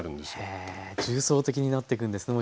へえ重層的になっていくんですね